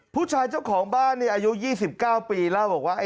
ผู้ชายเจ้าของบ้านอายุ๒๙ปีแล้วบอกว่า